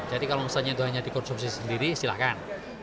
jadi kalau misalnya itu hanya dikonsumsi sendiri silakan